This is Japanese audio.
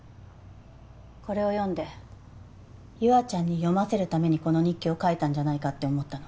これを読んで優愛ちゃんに読ませるためにこの日記を書いたんじゃないかって思ったの。